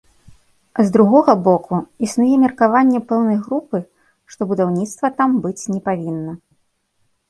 З другога боку, існуе меркаванне пэўнай групы, што будаўніцтва там быць не павінна.